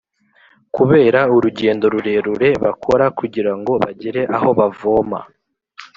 kubera urugendo rurerure bakora kugirango bagere aho bavoma.